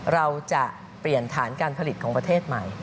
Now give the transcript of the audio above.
เราจะเปลี่ยนฐานการผลิตของประเทศใหม่